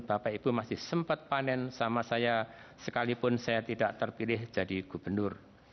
bapak ibu masih sempat panen sama saya sekalipun saya tidak terpilih jadi gubernur